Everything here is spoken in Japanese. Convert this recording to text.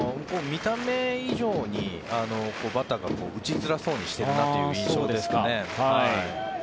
見た目以上にバッターが打ちづらそうにしているなという印象ですね。